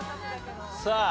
さあ。